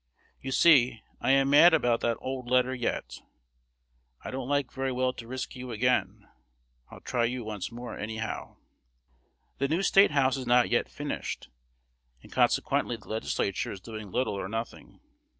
You see I am mad about that old letter yet. I don't like very well to risk you again. I'll try you once more, anyhow. The new State House is not yet finished, and consequently the Legislature is doing little or nothing.